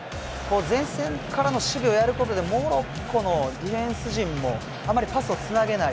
前線からの守備をやることでモロッコのディフェンス陣もあまりパスをつなげない。